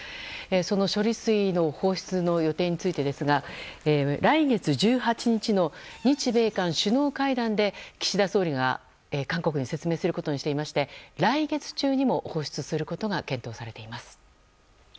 処理水放出の予定についてですが来月１８日の日米韓首脳会談で岸田総理が韓国に説明することにしていまして来月中にも放出することが検討されています。